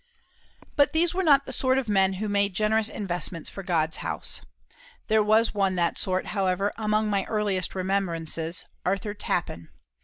But these were not the sort of men who made generous investments for God's House. There was one that sort, however, among my earliest remembrances, Arthur Tappen.